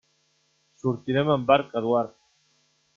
Sortirem amb barca, Eduard.